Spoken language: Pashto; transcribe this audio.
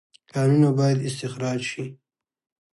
کانونه باید استخراج شي